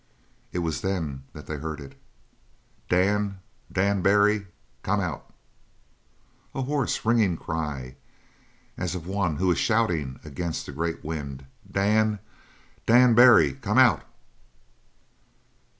It was then that they heard it: "Dan! Dan Barry! Come out!" A hoarse, ringing cry, as of one who is shouting against a great wind: "Dan! Dan Barry! Come out!"